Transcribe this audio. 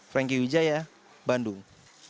franky widjaya bandung